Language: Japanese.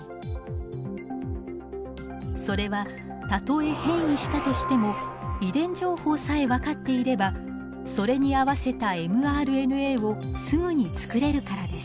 それはたとえ変異したとしても遺伝情報さえ分かっていればそれに合わせたｍＲＮＡをすぐに作れるからです。